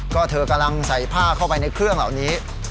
ก็เธอกำลังใส่ผ้าเข้าไปในเครื่องเหล่านี้